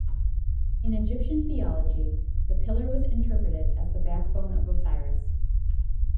In Egyptian theology, the pillar was interpreted as the backbone of Osiris.